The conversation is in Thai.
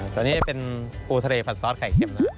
ตัวนี้เป็นปูทะเลผัดซอสไข่เข็มนะ